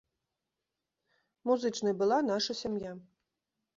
Музычнай была наша сям'я.